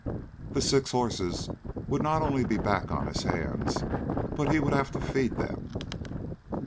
The six horses would not only be back on his hands, but he would have to feed them.